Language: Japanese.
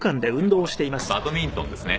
これはバドミントンですね。